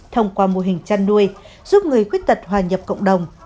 thông qua mô hình chăn nuôi giúp người khuyết tật hòa nhập cộng đồng